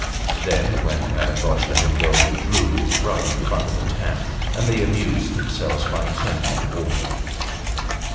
Then, when Madame Boche let him go, he drew his brother in front of the tap, and they amused themselves by turning on the water.